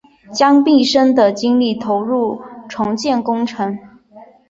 将毕生的精力投入重建工程